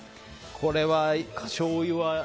これはしょうゆは。